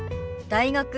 「大学」。